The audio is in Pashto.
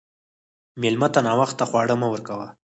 مېلمه ته ناوخته خواړه مه ورکوه.